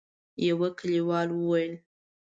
يوه کليوال وويل: